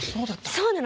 そうなの。